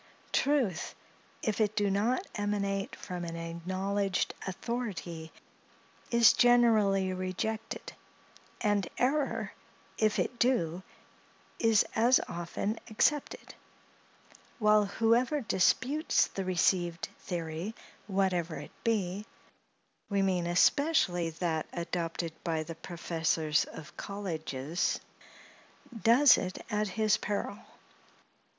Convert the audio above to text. Truth, if it do not emanate from an acknowledged authority, is generally rejected; and error, if it do, is as often accepted; while, whoever disputes the received theory, whatever it be—we mean especially that adopted by the professors of colleges—does it at his peril.